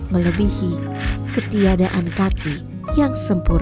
melebihi ketiadaan kaki yang sempurna